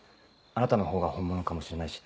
あなたのほうが本物かもしれないし。